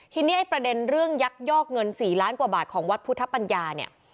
ทีนี้ไอ้ประเด็นเรื่องยักยอกเงิน๔ล้านกว่าบาทของวัดพุทธปัญญาเนี่ย